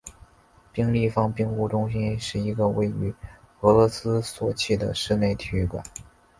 冰立方冰壶中心是一个位于俄罗斯索契的室内体育馆。